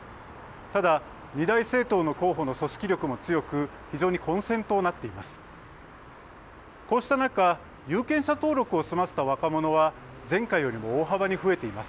ただ二大政党の候補の組織力も強く非常に混戦となっています。